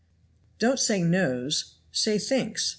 "Don't say 'knows,' say 'thinks.'